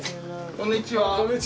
こんにちは。